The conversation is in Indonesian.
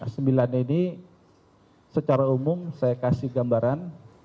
sembilan ini secara umum saya kasih gambaran